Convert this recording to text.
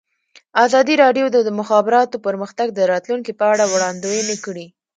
ازادي راډیو د د مخابراتو پرمختګ د راتلونکې په اړه وړاندوینې کړې.